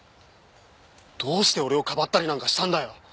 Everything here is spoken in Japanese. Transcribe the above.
どうして俺をかばったりなんかしたんだよ！